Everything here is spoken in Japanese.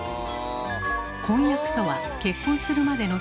「婚約」とは結婚するまでの期間のこと。